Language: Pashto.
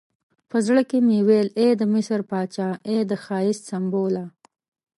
په زړه کې مې ویل ای د مصر پاچا، ای د ښایست سمبوله.